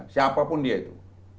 siapapun dia itu